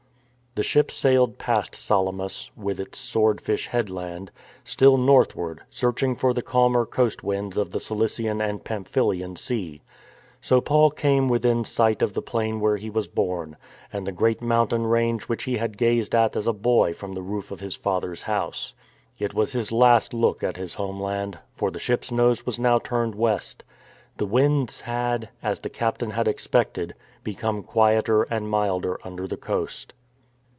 The ship sailed past Salamis (with its sword fish headland) still northward, searching for the calmer coast winds of the Cilician and Pamphylian sea. So Paul came within sight of the plain where he was born, and the great mountain range which he had gazed at as a boy from the roof of his father's house. It was his last look at his homeland, for the ship's nose was now turned west. The winds had, as the captain had expected, become quieter and milder under the coast.